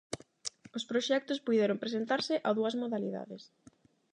Os proxectos puideron presentarse a dúas modalidades.